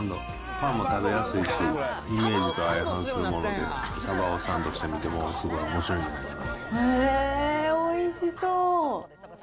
パンも食べやすいし、イメージと相反するもので、サバをサンドしてみてもすごいおもしろいんじゃないかな。